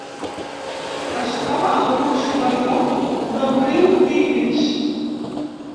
Es troba al curs superior del riu Tigris.